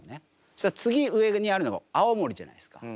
次上にあるのが青森じゃないですか。